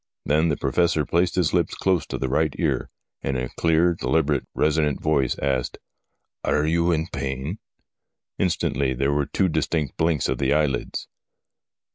Then the Professor placed his lips close to the right ear, and in a clear, deliberate, resonant voice asked :' Are you in pain ?' Instantly there were two distinct blinks of the eyelids.